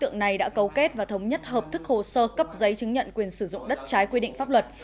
này đã cấu kết và thống nhất hợp thức hồ sơ cấp giấy chứng nhận quyền sử dụng đất trái quy định pháp luật